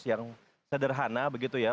yang sederhana begitu ya